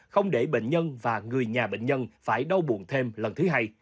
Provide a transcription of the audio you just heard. không để bệnh nhân và người nhà bệnh nhân phải đau buồn thêm lần thứ hai